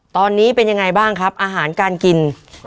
ตอนนี้เป็นยังไงบ้างครับอาหารการกิน